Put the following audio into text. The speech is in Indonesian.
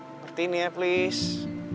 seperti ini ya please